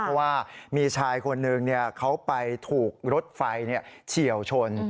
เพราะว่ามีชายคนหนึ่งเขาไปถูกรถไฟเฉียวชน